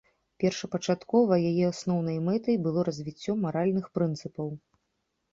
Першапачаткова яе асноўнай мэтай было развіццё маральных прынцыпаў.